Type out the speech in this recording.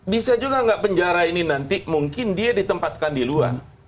bisa juga nggak penjara ini nanti mungkin dia ditempatkan di luar